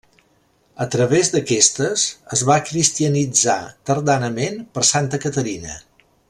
A través d'aquestes, es va cristianitzar tardanament per Santa Caterina.